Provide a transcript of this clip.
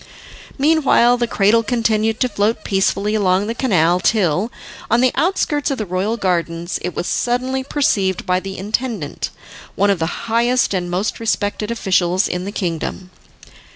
Meanwhile the cradle continued to float peacefully along the canal till, on the outskirts of the royal gardens, it was suddenly perceived by the intendant, one of the highest and most respected officials in the kingdom.